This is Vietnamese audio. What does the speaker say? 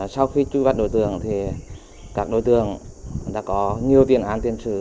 sau khi truy bắt đối tượng thì các đối tượng đã có nhiều tiền án tiên sử